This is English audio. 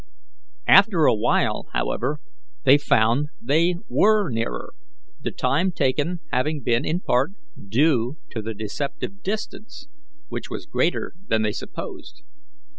After a while, however, they found they WERE nearer, the time taken having been in part due to the deceptive distance, which was greater than they supposed.